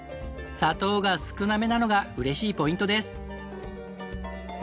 砂糖が少なめなのが嬉しいポイントです。